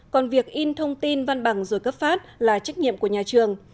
còn việc in thông tin văn bằng rồi cấp phát là trách nhiệm của nhà trường